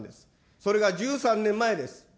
それが１３年前です。